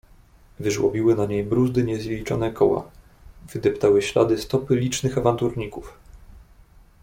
"Wyżłobiły na niej bruzdy niezliczone koła, wydeptały ślady stopy licznych awanturników."